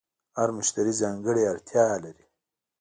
هر مشتری ځانګړې اړتیا لري.